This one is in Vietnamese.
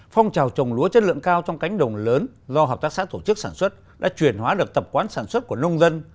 phong trào trồng lúa chất lượng cao trong cánh đồng lớn do hợp tác xã tổ chức sản xuất đã chuyển hóa được tập quán sản xuất của nông dân